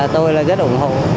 tôi là rất ủng hộ